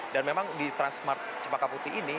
dan memang di transmart sepakaputi ini